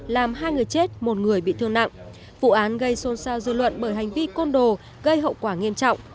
làm hai người chết một người bị thương nặng vụ án gây xôn xao dư luận bởi hành vi côn đồ gây hậu quả nghiêm trọng